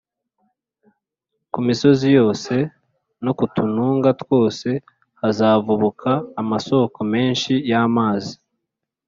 ku misozi yose no ku tununga twose hazavubuka amasoko menshi y’amazi.